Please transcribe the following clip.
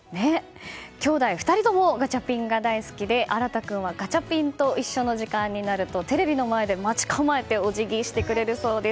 兄弟２人ともガチャピンが大好きで新君はガチャピンといっしょ！の時間になるとテレビの前で待ち構えてお辞儀をしてくれるそうです。